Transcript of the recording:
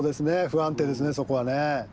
不安定ですねそこはね。